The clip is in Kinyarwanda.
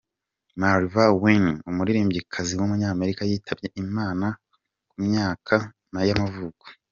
Marva Whitney, umuririmbyikazi w’umunyamerika yitabye Imana ku myaka y’amavuko.